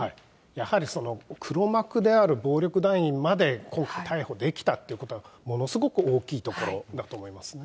やはりその黒幕である暴力団員まで、今回逮捕できたということは、ものすごく大きいところだと思いますね。